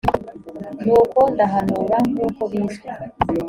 nuko ndahanura nk uko bizwi